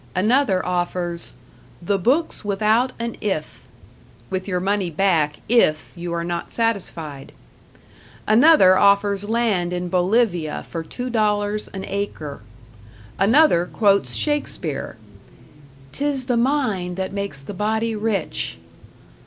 Another offers "The Books Without an If", with your money back IF you are not satisfied! Another offers land in Bolivia for two dollars an acre. Another quotes Shakespeare: "Tis the mind that makes the body rich."